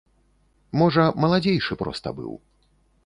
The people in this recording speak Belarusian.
Можа, маладзейшы проста быў.